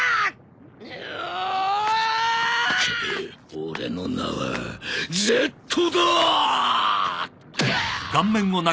俺の名はＺだ！